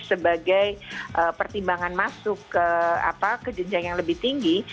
sebagai pertimbangan masuk ke jenjang yang lebih tinggi